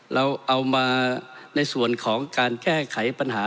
เราเอามาในส่วนของการแก้ไขปัญหา